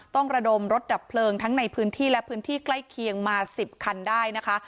ระดมรถดับเพลิงทั้งในพื้นที่และพื้นที่ใกล้เคียงมา๑๐คันได้นะคะ